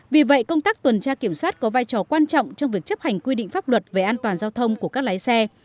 vì vậy công tác tuần tra kiểm soát có vai trò quan trọng trong việc chấp hành quy định pháp luật về an toàn giao thông của các lái xe